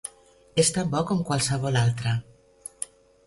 És tan bo com qualsevol altre.